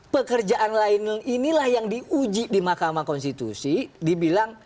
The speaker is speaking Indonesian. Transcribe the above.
pekerjaan lain inilah yang diuji di mahkamah konstitusi dibilang